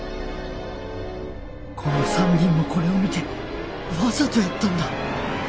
この３人もこれを見てわざとやったんだ